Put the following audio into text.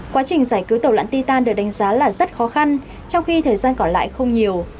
quá trình giải cứu tàu lặn titan được đánh giá là rất khó khăn trong khi thời gian còn lại không nhiều